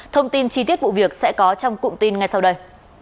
thông tin chi tiết vụ việc sẽ có trong cụm tin ngay sau đây